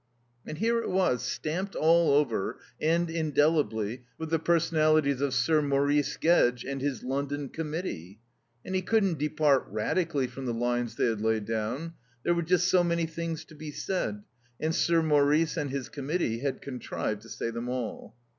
And here it was, stamped all over, and indelibly, with the personalities of Sir Maurice Gedge and his London Committee. And he couldn't depart radically from the lines they had laid down; there were just so many things to be said, and Sir Maurice and his Committee had contrived to say them all.